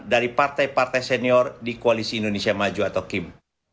dari partai partai senior di koalisi indonesia maju atau kim